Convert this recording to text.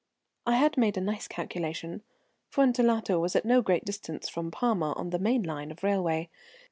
"I had made a nice calculation. Fuentellato was at no great distance from Parma, on the main line of railway.